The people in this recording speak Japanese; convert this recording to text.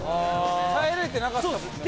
耐えられてなかったもんねもうね。